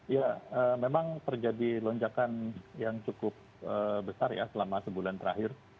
ya memang terjadi lonjakan yang cukup besar ya selama sebulan terakhir